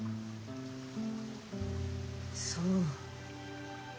そう。